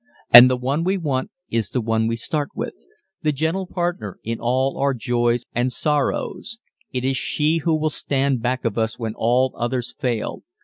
And the one we want is the one we start with the gentle partner in all our joys and sorrows. It is she who will stand back of us when all others fail.